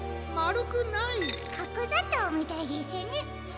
かくざとうみたいですね。